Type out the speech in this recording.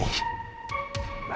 aura itu ma